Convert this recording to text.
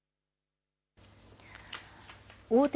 大手